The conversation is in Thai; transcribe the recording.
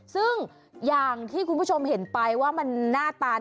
ซึ่งอย่างที่คุณผู้ชมเห็นไปว่ามันหน้าตา